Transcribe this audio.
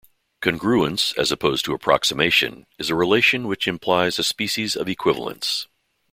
Congruence, as opposed to approximation, is a relation which implies a species of equivalence.